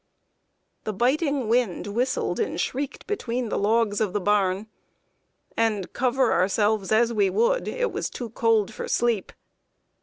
_ The biting wind whistled and shrieked between the logs of the barn, and, cover ourselves as we would, it was too cold for sleep.